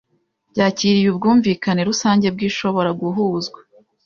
byakiriye ubwumvikane rusange bwibishobora guhuzwa